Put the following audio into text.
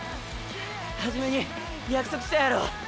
初めに約束したやろ？